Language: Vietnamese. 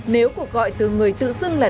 nếu cuộc gọi từ người tự xưng lại